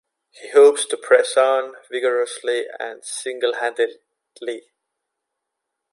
He hopes to press on vigorously and single-handedly.